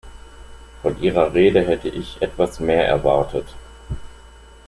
Von Ihrer Rede hätte ich etwas mehr erwartet.